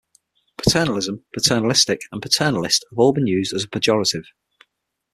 Paternalism, paternalistic and paternalist have all been used as a pejorative.